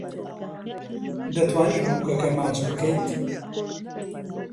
دەتوانیت بووکەکە ماچ بکەیت.